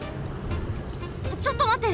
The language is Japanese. ちょっとまって！